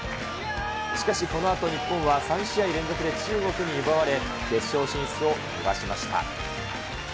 しかし、このあと日本は３試合連続で中国に奪われ、決勝進出を逃しました。